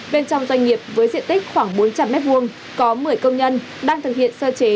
bên trong doanh nghiệp với diện tích khoảng bốn trăm linh m hai có một mươi công nhân đang thực hiện sơ chế